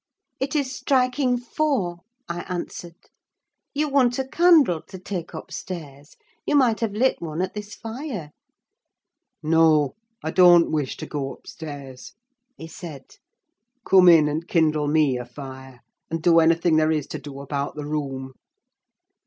"It is striking four," I answered. "You want a candle to take upstairs: you might have lit one at this fire." "No, I don't wish to go upstairs," he said. "Come in, and kindle me a fire, and do anything there is to do about the room."